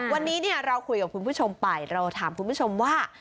วันนี้เราคุยกับคุณผู้ชมไปเราถามคุณผู้ชมว่า